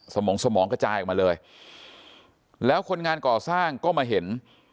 มองสมองกระจายออกมาเลยแล้วคนงานก่อสร้างก็มาเห็น